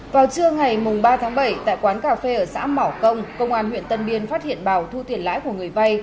vào trưa ngày ba tháng bảy tại quán cà phê ở xã mỏ công công an huyện tân biên phát hiện bảo thu tiền lãi của người vay